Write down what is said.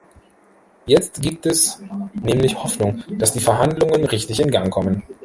Jetzt gibt es nämlich Hoffnung, dass die Verhandlungen richtig in Gang kommen.